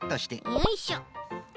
よいしょ。